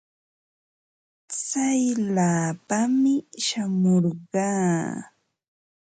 Tsayllapaami shamurqaa.